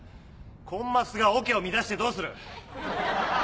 コンマスがオケを乱してどうする！？